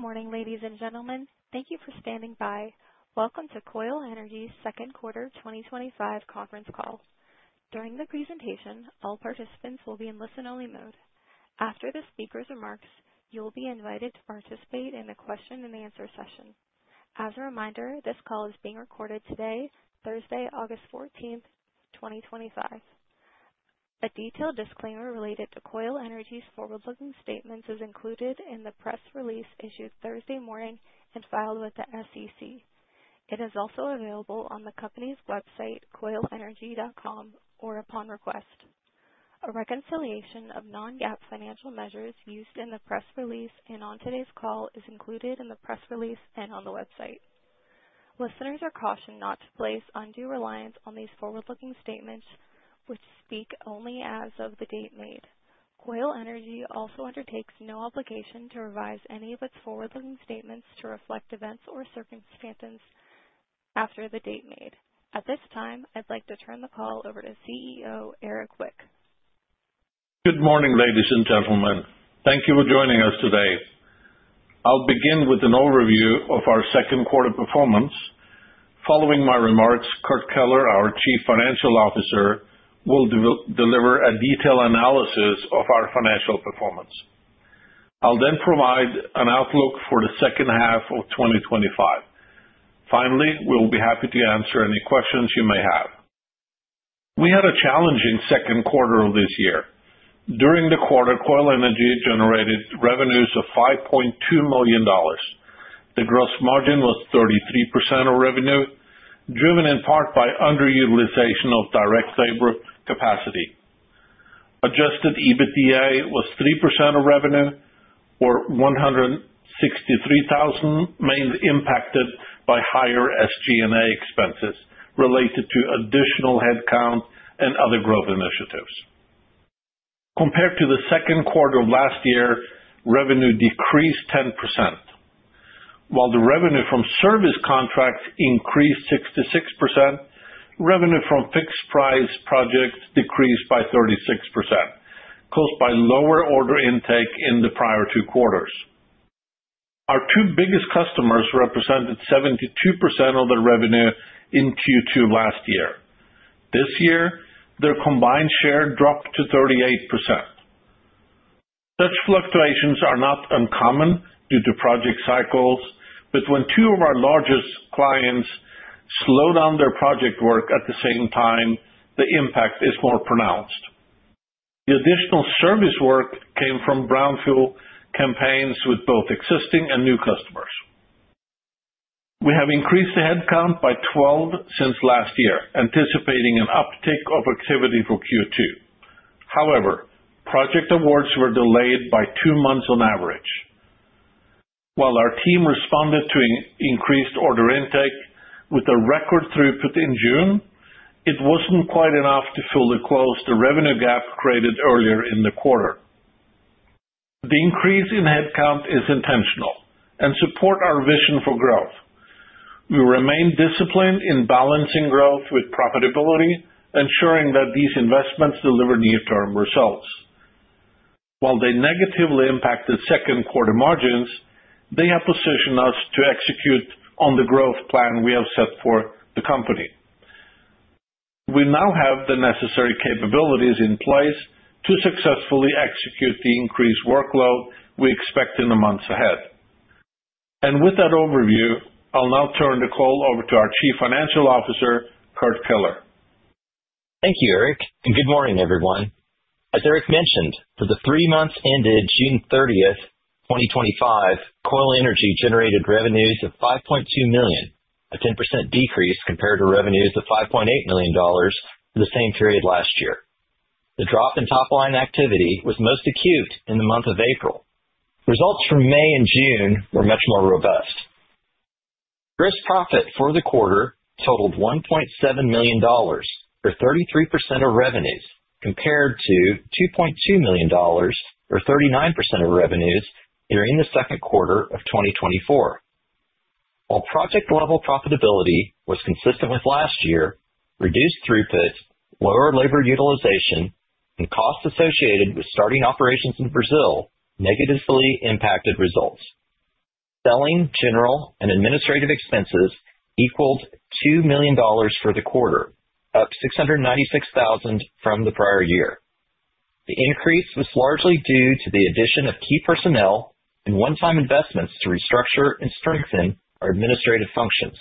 Good morning, ladies and gentlemen. Thank you for standing by. Welcome to Koil Energy Solutions' second quarter 2025 conference call. During the presentation, all participants will be in listen-only mode. After the speaker's remarks, you will be invited to participate in a question and answer session. As a reminder, this call is being recorded today, Thursday, August 14th, 2025. A detailed disclaimer related to Koil Energy Solutions' forward-looking statements is included in the press release issued Thursday morning and filed with the SEC. It is also available on the company's website, koilenergy.com, or upon request. A reconciliation of non-GAAP financial measures used in the press release and on today's call is included in the press release and on the website. Listeners are cautioned not to place undue reliance on these forward-looking statements, which speak only as of the date made. Koil Energy also undertakes no obligation to revise any of its forward-looking statements to reflect events or circumstances after the date made. At this time, I'd like to turn the call over to CEO Erik Wiik. Good morning, ladies and gentlemen. Thank you for joining us today. I'll begin with an overview of our second quarter performance. Following my remarks, Kurt Keller, our Chief Financial Officer, will deliver a detailed analysis of our financial performance. I'll then provide an outlook for the second half of 2025. Finally, we'll be happy to answer any questions you may have. We had a challenging second quarter of this year. During the quarter, Koil Energy generated revenues of $5.2 million. The gross margin was 33% of revenue, driven in part by underutilization of direct labor capacity. Adjusted EBITDA was 3% of revenue or $163,000, mainly impacted by higher SG&A expenses related to additional headcount and other growth initiatives. Compared to the second quarter of last year, revenue decreased 10%. While the revenue from service contracts increased 66%, revenue from fixed price projects decreased by 36%, caused by lower order intake in the prior two quarters. Our two biggest customers represented 72% of the revenue in Q2 last year. This year, their combined share dropped to 38%. Such fluctuations are not uncommon due to project cycles, but when two of our largest clients slow down their project work at the same time, the impact is more pronounced. The additional service work came from brownfield campaigns with both existing and new customers. We have increased the headcount by 12 since last year, anticipating an uptick of activity for Q2. However, project awards were delayed by two months on average. While our team responded to increased order intake with a record throughput in June, it wasn't quite enough to fully close the revenue gap created earlier in the quarter. The increase in headcount is intentional and support our vision for growth. We remain disciplined in balancing growth with profitability, ensuring that these investments deliver near-term results. While they negatively impacted second quarter margins, they have positioned us to execute on the growth plan we have set for the company. We now have the necessary capabilities in place to successfully execute the increased workload we expect in the months ahead. With that overview, I'll now turn the call over to our Chief Financial Officer, Kurt Keller. Thank you, Erik, and good morning, everyone. As Erik mentioned, for the three months ended June 30th, 2025, Koil Energy generated revenues of $5.2 million, a 10% decrease compared to revenues of $5.8 million for the same period last year. The drop in top-line activity was most acute in the month of April. Results from May and June were much more robust. Gross profit for the quarter totaled $1.7 million, or 33% of revenues, compared to $2.2 million or 39% of revenues during the second quarter of 2024. While project-level profitability was consistent with last year, reduced throughput, lower labor utilization, and costs associated with starting operations in Brazil negatively impacted results. Selling, general and administrative expenses equaled $2 million for the quarter, up $696,000 from the prior year. The increase was largely due to the addition of key personnel and one-time investments to restructure and strengthen our administrative functions.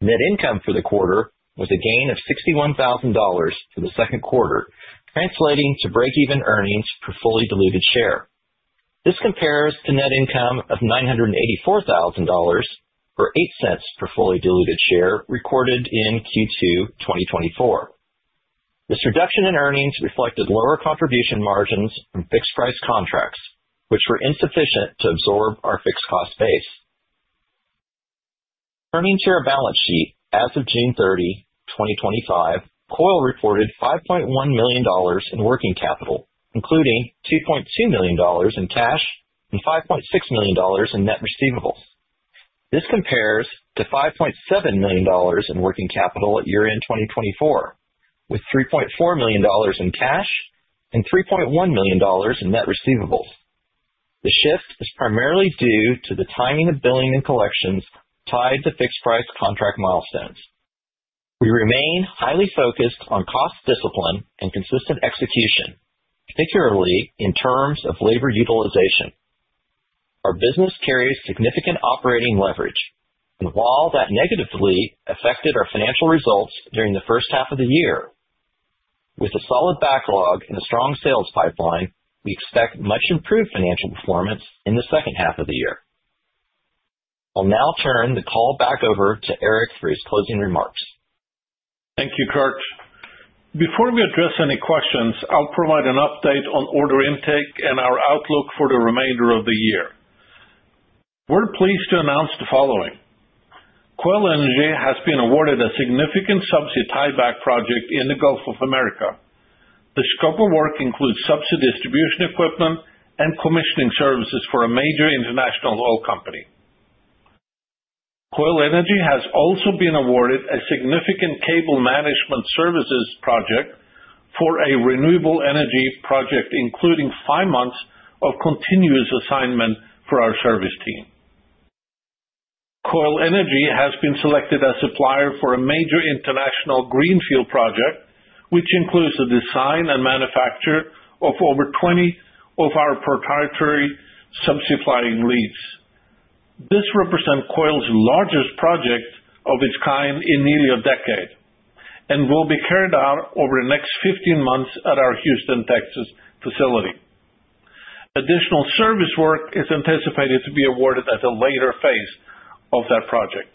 Net income for the quarter was a gain of $61,000 for the second quarter, translating to break-even earnings per fully diluted share. This compares to net income of $984,000, or $0.08 per fully diluted share, recorded in Q2 2024. This reduction in earnings reflected lower contribution margins from fixed price contracts, which were insufficient to absorb our fixed cost base. Turning to our balance sheet, as of June 30, 2025, Koil reported $5.1 million in working capital, including $2.2 million in cash and $5.6 million in net receivables. This compares to $5.7 million in working capital at year-end 2024, with $3.4 million in cash and $3.1 million in net receivables. The shift is primarily due to the timing of billing and collections tied to fixed price contract milestones. We remain highly focused on cost discipline and consistent execution, particularly in terms of labor utilization. Our business carries significant operating leverage. While that negatively affected our financial results during the first half of the year, with a solid backlog and a strong sales pipeline, we expect much improved financial performance in the second half of the year. I'll now turn the call back over to Erik for his closing remarks. Thank you, Kurt. Before we address any questions, I'll provide an update on order intake and our outlook for the remainder of the year. We're pleased to announce the following. Koil Energy has been awarded a significant subsea tieback project in the Gulf of Mexico. The scope of work includes subsea distribution equipment and commissioning services for a major international oil company. Koil Energy has also been awarded a significant cable management services project for a renewable energy project, including five months of continuous assignment for our service team. Koil Energy has been selected as supplier for a major international greenfield project, which includes the design and manufacture of over 20 of our proprietary subsea flying leads. This represents Koil's largest project of its kind in nearly a decade and will be carried out over the next 15 months at our Houston, Texas, facility. Additional service work is anticipated to be awarded at a later phase of that project.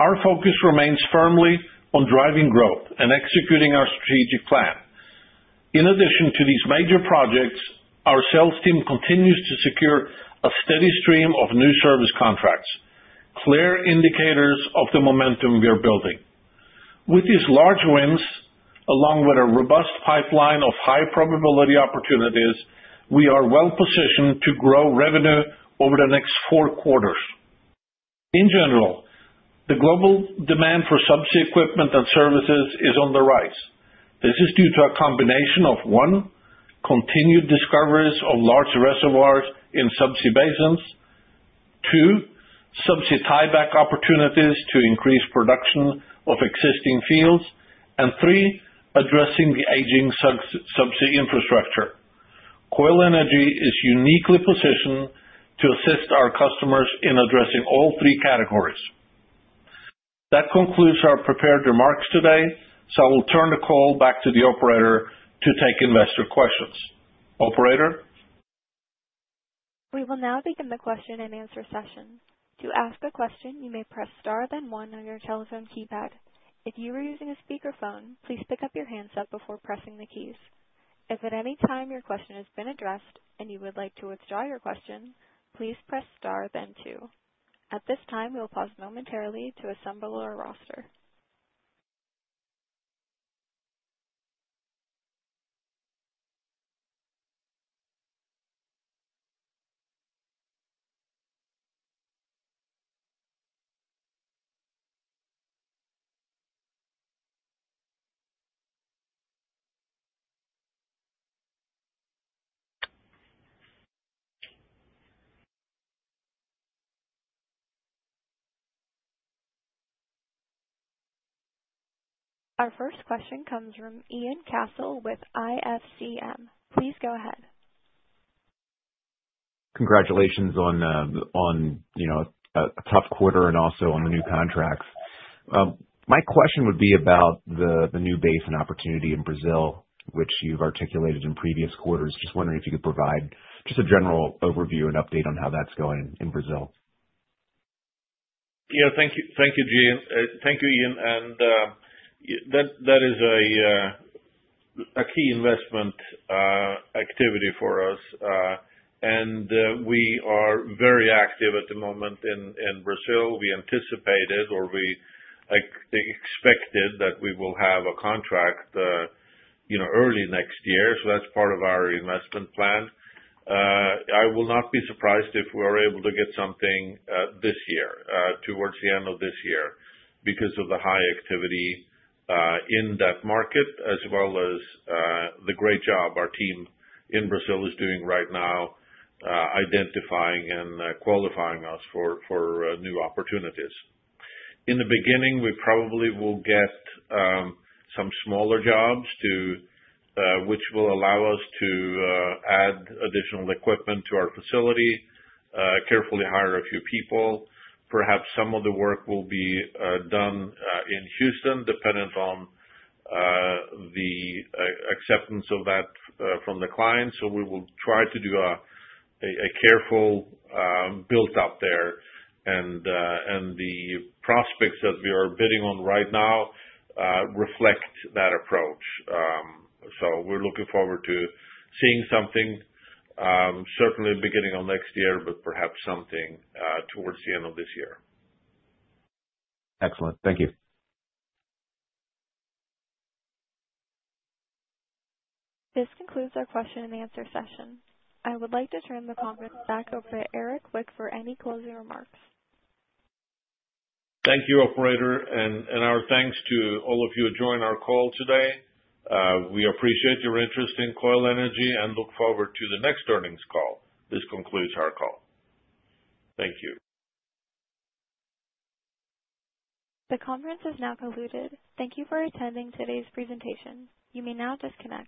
Our focus remains firmly on driving growth and executing our strategic plan. In addition to these major projects, our sales team continues to secure a steady stream of new service contracts, clear indicators of the momentum we are building. With these large wins, along with a robust pipeline of high probability opportunities, we are well positioned to grow revenue over the next four quarters. In general, the global demand for subsea equipment and services is on the rise. This is due to a combination of, one, continued discoveries of large reservoirs in subsea basins, two, subsea tieback opportunities to increase production of existing fields, and three, addressing the aging subsea infrastructure. Koil Energy is uniquely positioned to assist our customers in addressing all three categories. That concludes our prepared remarks today I will turn the call back to the operator to take investor questions. Operator? We will now begin the question and answer session. To ask a question, you may press star then one on your telephone keypad. If you are using a speakerphone, please pick up your handset before pressing the keys. If at any time your question has been addressed and you would like to withdraw your question, please press star then two. At this time, we'll pause momentarily to assemble our roster. Our first question comes from Ian Cassel with IFCM. Please go ahead. Congratulations on a tough quarter and also on the new contracts. My question would be about the new basin opportunity in Brazil, which you've articulated in previous quarters. Just wondering if you could provide just a general overview and update on how that's going in Brazil. Yeah, thank you, Ian. That is a key investment activity for us. We are very active at the moment in Brazil. We anticipated or we expected that we will have a contract early next year, so that's part of our investment plan. I will not be surprised if we are able to get something this year, towards the end of this year because of the high activity, in that market as well as the great job our team in Brazil is doing right now, identifying and qualifying us for new opportunities. In the beginning, we probably will get some smaller jobs, which will allow us to add additional equipment to our facility, carefully hire a few people. Perhaps some of the work will be done in Houston dependent on the acceptance of that from the client. We will try to do a careful build-up there. The prospects that we are bidding on right now reflect that approach. We're looking forward to seeing something certainly beginning of next year, but perhaps something towards the end of this year. Excellent. Thank you. This concludes our question and answer session. I would like to turn the conference back over to Erik Wiik for any closing remarks. Thank you, operator, and our thanks to all of you who joined our call today. We appreciate your interest in Koil Energy and look forward to the next earnings call. This concludes our call. Thank you. The conference has now concluded. Thank you for attending today's presentation. You may now disconnect.